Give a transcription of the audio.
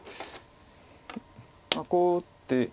こう打って。